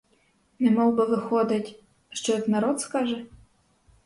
Немовби виходить, що як народ скаже?